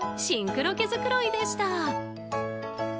シンクロ毛づくろいでした。